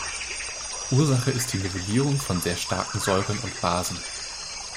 Ursache ist die "Nivellierung" von sehr starken Säuren und Basen.